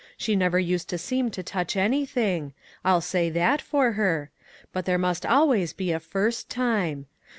She never used to seem to touch anything; I'll say that for her; but there must always be a first time.